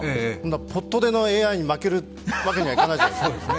ポッと出のＡＩに負けるわけにいかないじゃないですか。